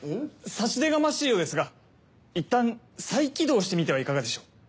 差し出がましいようですがいったん再起動してみてはいかがでしょう？